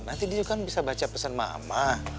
nanti dia kan bisa baca pesan mama